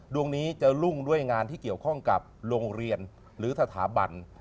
ดวงนี้จะรุ่งด้วยงานที่เกี่ยวข้องกับโรงเรียนหรือสถาบัน